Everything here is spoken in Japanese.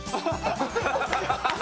ハハハハ！